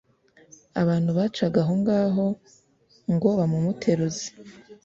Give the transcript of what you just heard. Abantu bacaga aho ngaho ngo bamumuteruze